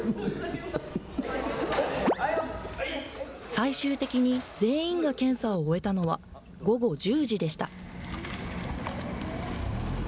最終的に全員が検査を終えたのは午後１０時でした。